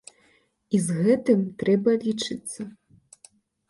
І з гэтым трэба лічыцца.